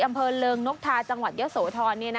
อำเภอเริงนกทาจังหวัดเยอะโสธร